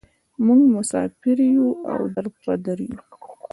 موږ مسافر یوو او در په در یوو.